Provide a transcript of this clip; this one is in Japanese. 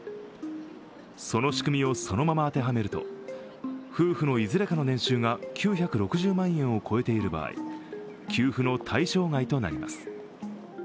その仕組みをそのまま当てはめると、夫婦のいずれかの年収が９６０万円を超えている場合、給付の対象外となります。